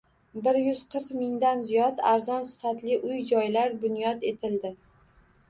Bir yuz qirq mingdan ziyod arzon va sifatli uy-joylar bunyod etildi.